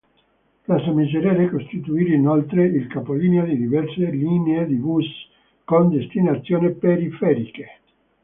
Plaza Miserere costituisce inoltre il capolinea di diverse linee di bus con destinazioni periferiche.